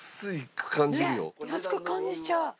ねっ。安く感じちゃう。